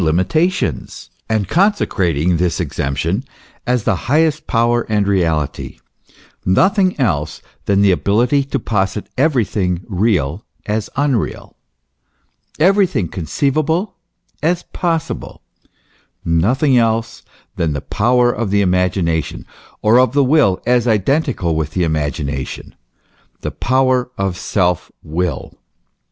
lOl and consecrating this exemption as the highest power and reality : nothing else than the ability to posit everything real as unreal everything conceivable as possible : nothing else than the power of the imagination, or of the will as identical with the imagination, the power of self will.